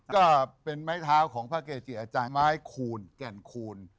ก็เป็นไม้เท้าของพระเกจิอาจารย์ไม้คูณแก่นคูณ